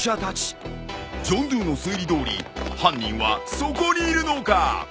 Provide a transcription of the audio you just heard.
ジョンドゥーの推理どおり犯人はそこにいるのか？